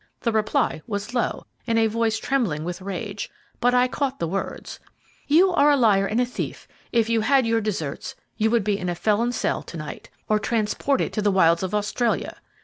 The reply was low, in a voice trembling with rage, but I caught the words, 'You are a liar and a thief! If you had your deserts, you would be in a felon's cell to night, or transported to the wilds of Australia!'